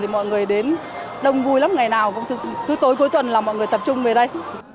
mọi người đến đông vui lắm ngày nào cũng cứ tối cuối tuần là mọi người tập trung về đây